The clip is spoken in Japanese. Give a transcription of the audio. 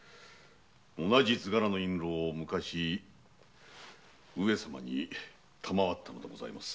同じ図柄の印籠を昔上様に賜ったのでございます。